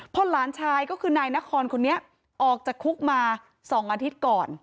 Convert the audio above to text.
พอหลานชายก็คือนายนครคนนี้ออกจากคุกมา๒อาทิตย์ก่อน